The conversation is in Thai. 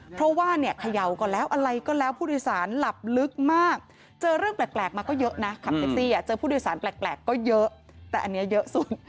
เพราะว่าเนี่ยเขย่าก่อนแล้วอะไรก็แล้วผู้โดยสารหลับลึกมากเจอเรื่องแปลกมาก็เยอะนะขับแท็กซี่เจอผู้โดยสารแปลกก็เยอะแต่อันนี้เยอะสุด